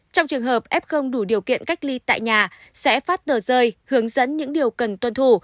trong trường hợp f không đủ điều kiện cách ly tại nhà sẽ phát tờ rơi hướng dẫn những điều cần tuân thủ